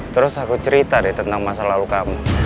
terus aku cerita deh tentang masa lalu kamu